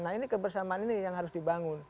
nah ini kebersamaan ini yang harus dibangun